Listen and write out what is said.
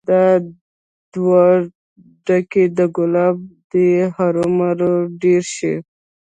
دا دوه ډکي د ګلاب دې هومره ډير شي